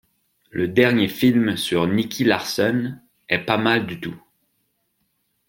Le dernier film sur Nicky Larson est pas mal du tout.